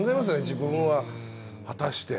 自分は果たして。